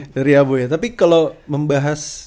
dari abu ya tapi kalau membahas